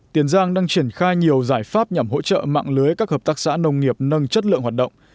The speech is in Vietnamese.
tiền giang đang triển khai nhiều giải pháp nhằm hỗ trợ mạng lưới các hợp tác xã nông nghiệp nâng chất lượng hoạt động